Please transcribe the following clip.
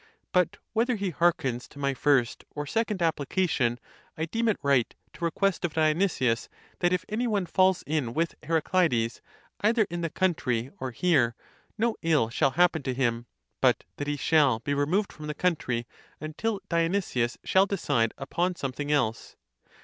But whether he hearkens to my first or second application, I deem it right to request of Dionysius, that 'if any one falls in! with Heracleides, either in the country or here, no ill shall happen to him, but that he shall be removed from the country, until Dionysius shall decide upon something else.